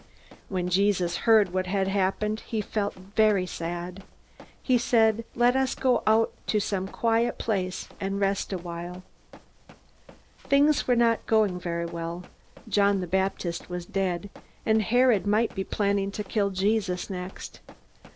When Jesus heard what had happened, he felt very sad. He said, "Let us go out to some quiet place, and rest awhile." Things were not going very well. John the Baptist was dead, and Herod might be planning to kill Jesus next.